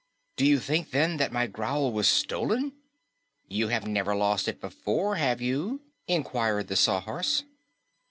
"Do you think, then, that my growl was stolen?" "You have never lost it before, have you?" inquired inquired the Sawhorse.